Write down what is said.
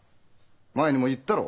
前にも言ったろ？